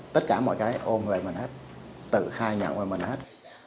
tất cả mọi cái ôm về mình hết tự khai nhận về mình hết